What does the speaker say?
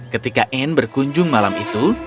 ketika anne berkunjung malam itu